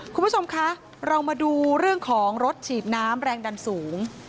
คุณผู้ชมคะเรามาดูเรื่องของรถฉีดน้ำแรงดันสูง